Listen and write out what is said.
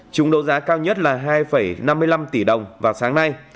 chúng đấu giá cao nhất là hai năm mươi năm tỷ đồng vào sáng nay